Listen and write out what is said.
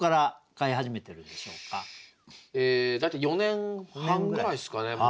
大体４年半ぐらいっすかねもう。